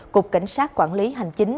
cục cảnh sát quản lý hành chính